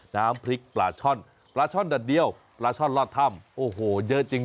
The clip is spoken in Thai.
น้ำพริกปลาช่อนปลาช่อนดัดเดียวปลาช่อนลอดถ้ำโอ้โหเยอะจริง